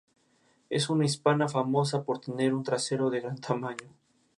Es una hispana famosa por tener un trasero de gran tamaño.